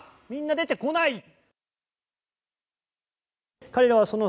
みんな、出てこない！